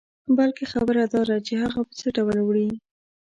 بلکې خبره داده چې هغه په څه ډول وړې.